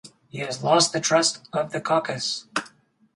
He has lost the trust of the caucus.